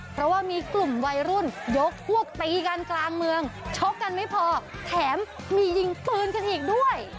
เพราะว่ามีกลุ่มวัยรุ่นยกพวกตีกันกลางเมืองชกกันไม่พอแถมมียิงปืนกันอีกด้วย